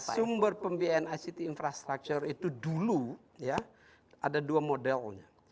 sumber pembiayaan ict infrastructure itu dulu ya ada dua modelnya